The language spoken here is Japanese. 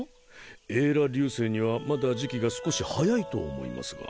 エーラ流星にはまだ時期が少し早いと思いますが。